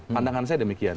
pandangan saya demikian